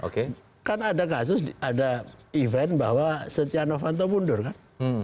kan ada kasus ada event bahwa setia novanto mundur kan